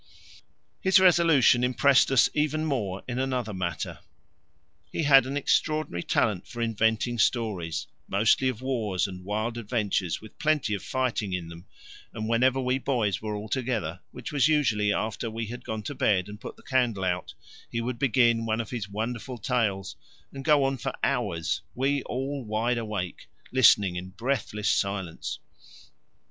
His resolution impressed us even more in another matter. He had an extraordinary talent for inventing stories, mostly of wars and wild adventures with plenty of fighting in them, and whenever we boys were all together, which was usually after we had gone to bed and put the candle out, he would begin one of his wonderful tales and go on for hours, we all wide awake, listening in breathless silence.